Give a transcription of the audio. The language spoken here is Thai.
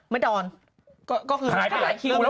มันถ่ายละครไม่กี่ตอนละ